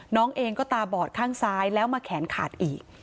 น้องเองก็ตาบอดข้างซ้ายแล้วมาแขนขาดอีก